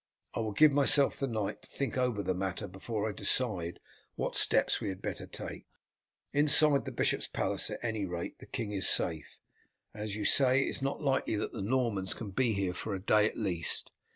I will give myself the night to think over the matter before I decide what steps we had better take. Inside the bishop's palace, at any rate, the king is safe, and, as you say, it is not likely that the Normans can be here for a day at least.